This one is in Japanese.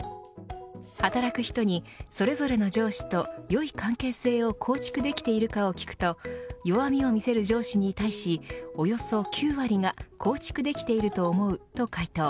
働く人にそれぞれの上司と良い関係性を構築できているかを聞くと弱みを見せる上司に対しおよそ９割が構築できていると思うと回答。